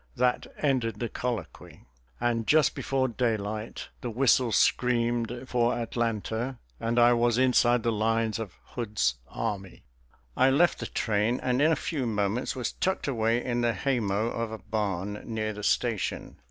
That ended the colloquy, and just before daylight the whistle screamed for Atlanta, and I was inside the lines of Hood's army. I left the train and in a few moments was tucked away in the haymow of a barn near the station.